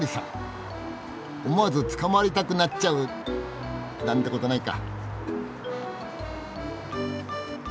思わず捕まりたくなっちゃうなんてことないか。